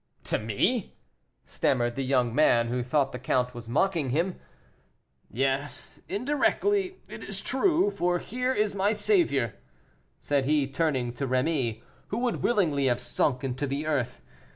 "To me!" stammered the young man, who thought the count was mocking him. "Yes, indirectly, it is true, for here is my saviour," said he, turning to Rémy, who would willingly have sunk into the earth.